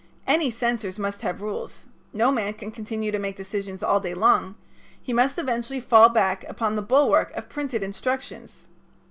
Any censors must have rules. No man can continue to make decisions all day long. He must eventually fall back upon the bulwark of printed instructions.